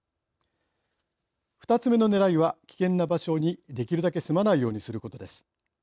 ２つ目のねらいは危険な場所に、できるだけ住まないようにすることです。